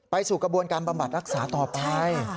สู่กระบวนการบำบัดรักษาต่อไป